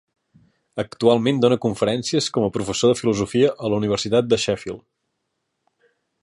Actualment dóna conferències com a professor de filosofia a la Universitat de Sheffield.